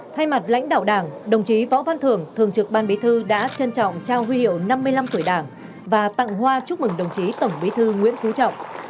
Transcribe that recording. thay mặt lãnh đạo đảng đồng chí võ văn thường thường trực ban bí thư đã trân trọng trao huy hiệu năm mươi năm tuổi đảng và tặng hoa chúc mừng đồng chí tổng bí thư nguyễn phú trọng